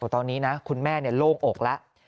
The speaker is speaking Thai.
ตอนนี้นะคุณแม่โล่งอกแล้ว